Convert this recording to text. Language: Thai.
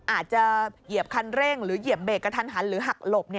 เหยียบคันเร่งหรือเหยียบเบรกกระทันหันหรือหักหลบ